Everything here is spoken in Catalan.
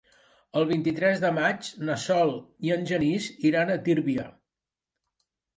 El vint-i-tres de maig na Sol i en Genís iran a Tírvia.